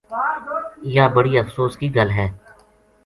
یاہ بڑی افسو س کی گل